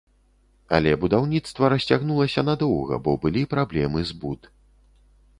Але будаўніцтва расцягнулася надоўга, бо былі праблемы з буд.